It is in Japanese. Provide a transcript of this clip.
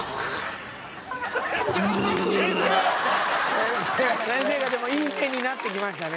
先生がでもいい目になってきましたね。